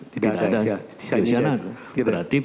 tidak ada asam tiosana